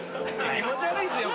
気持ち悪いっすよ